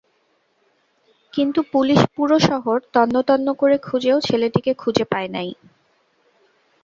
কিন্তু পুলিশ পুরো শহর তন্নতন্ন করে খুজেও ছেলেটিকে খুজে পায় নাই।